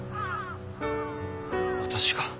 私が？